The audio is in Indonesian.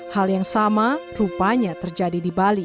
hal yang sama rupanya terjadi di bali